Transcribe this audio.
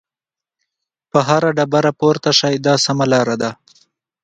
په هره ډبره پورته شئ دا سمه لار ده.